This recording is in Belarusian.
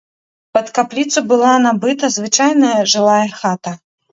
Пад капліцу была набыта звычайная жылая хата.